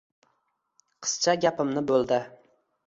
Qizcha gapimni bo‘ldi: